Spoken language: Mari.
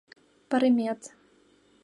Парымет